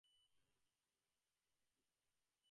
তুমি ঠিক আছো তো?